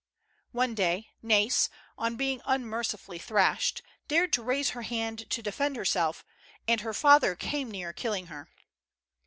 One day Nais, on being unmercifully thrashed, dared to raise her hand to defend herself, and her father came near killing her.